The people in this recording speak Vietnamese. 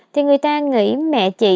thì người ta nghĩ mẹ chị